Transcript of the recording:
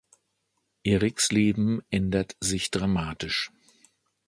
Eriks Leben ändert sich dramatisch.